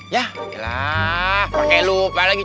yalah pakai lupa lagi